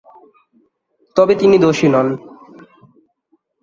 তবে তিনি দোষী নন।